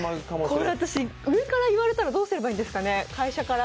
これ、私、上から言われたらどうすればいいんですかね、会社から。